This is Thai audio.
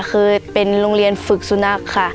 เคยเป็นโรงเรียนฝึกสุนัขค่ะ